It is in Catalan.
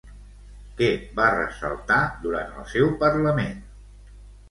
Què va ressaltar durant el seu parlament?